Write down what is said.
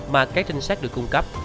mà các trinh sát được cung cấp